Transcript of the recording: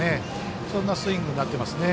そんなスイングになっていますね。